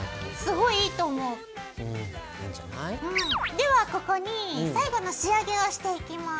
ではここに最後の仕上げをしていきます。